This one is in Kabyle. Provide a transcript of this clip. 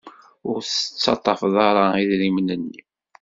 Ur tettaḍḍaf ara idrimen-nni.